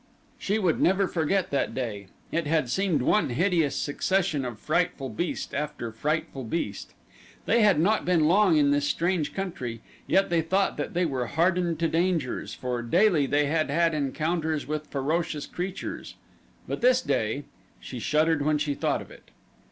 She would never forget that day it had seemed one hideous succession of frightful beast after frightful beast. They had not been long in this strange country, yet they thought that they were hardened to dangers, for daily they had had encounters with ferocious creatures; but this day she shuddered when she thought of it.